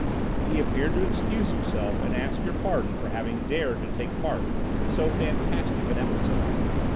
He appeared to excuse himself and ask your pardon for having dared to take part in so fantastic an episode.